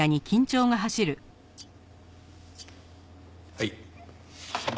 はい。